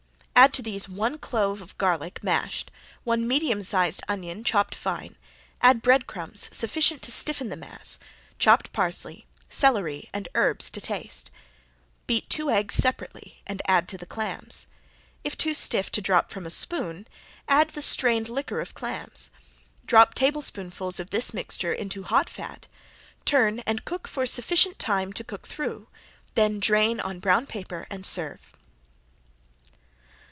Add to these one clove of garlic mashed, one medium sized onion chopped fine, add bread crumbs sufficient to stiffen the mass, chopped parsley, celery and herbs to taste. Beat two eggs separately and add to the clams. If too stiff to drop from a spoon add the strained liquor of clams. Drop tablespoonfuls of this mixture into hot fat, turn and cook for sufficient time to cook through, then drain on brown paper and serve.